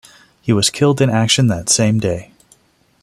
He was killed in action that same day.